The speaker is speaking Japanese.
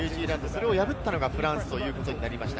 それを破ったのがフランスとなりました